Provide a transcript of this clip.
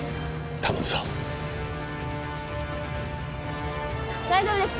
頼むぞ大丈夫ですか？